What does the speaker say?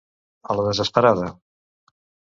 A la desesperada.